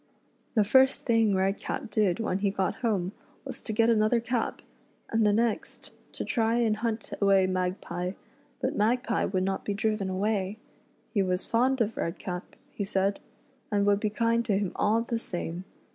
The first thing Redcap did when he got home was to get another cap, and the next, to try and hunt away Magpie ; but Magpie would not be driven away. He was fond of Redcap, he said, and would be kind to him all the same.